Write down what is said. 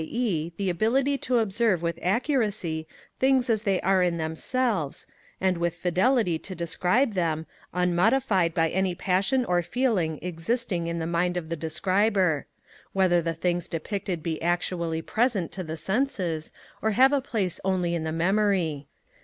e. the ability to observe with accuracy things as they are in themselves, and with fidelity to describe them, unmodified by any passion or feeling existing in the mind of the describer; whether the things depicted be actually present to the senses, or have a place only in the memory.